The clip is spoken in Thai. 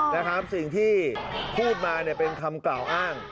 นะครับสิ่งที่พูดมาเนี่ยเป็นคำกล่าวอ้าง